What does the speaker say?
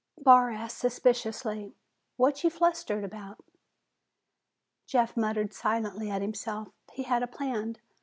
Barr asked suspiciously, "What ye flustered about?" Jeff muttered silently at himself. He had a plan.